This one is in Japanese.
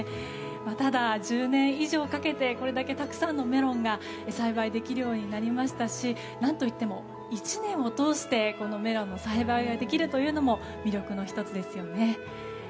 ただ、１０年以上かけてこれだけたくさんのメロンが栽培できるようになりましたし何といっても、１年を通してメロンの栽培ができるというのも魅力の１つですよね。